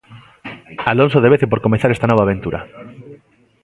Alonso devece por comezar esta nova aventura.